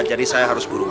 jadi saya harus burung